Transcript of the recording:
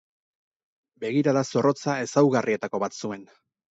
Begirada zorrotza ezaugarrietako bat zuen.